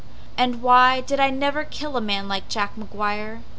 And why did I never kill a man Like Jack McGuire?